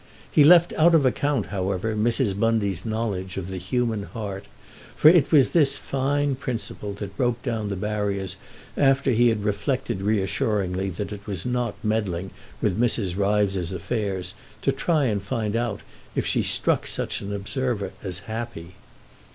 He left out of account however Mrs. Bundy's knowledge of the human heart, for it was this fine principle that broke down the barriers after he had reflected reassuringly that it was not meddling with Mrs. Ryves's affairs to try and find out if she struck such an observer as happy.